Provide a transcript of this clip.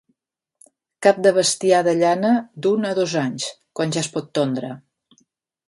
Cap de bestiar de llana d'un a dos anys, quan ja es pot tondre.